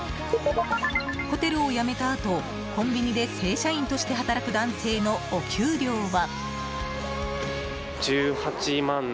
ホテルを辞めたあと、コンビニで正社員として働く男性のお給料は。